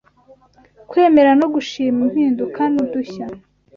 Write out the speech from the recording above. kwemera no gushima impinduka nudushya